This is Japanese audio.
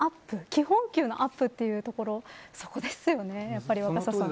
基本給のアップというところそこですよね、若狭さん。